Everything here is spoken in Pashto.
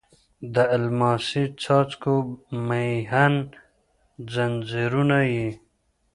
د الماسې څاڅکو مهین ځنځیرونه یې